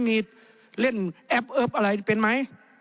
มีเล่นแอปเอิร์ฟอะไรเป็นไหม